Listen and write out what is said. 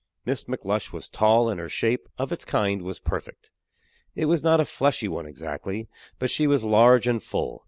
Miss McLush was tall, and her shape, of its kind, was perfect. It was not a fleshy one exactly, but she was large and full.